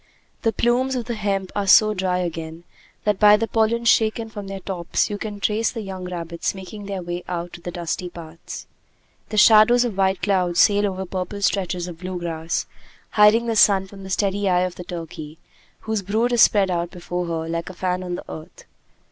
The plumes of the hemp are so dry again, that by the pollen shaken from their tops you can trace the young rabbits making their way out to the dusty paths. The shadows of white clouds sail over purple stretches of blue grass, hiding the sun from the steady eye of the turkey, whose brood is spread out before her like a fan on the earth.